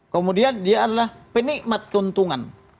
kemudian dia adalah penikmat keuntungan